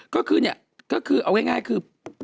ก็คือเนี่ยเอาง่ายคือ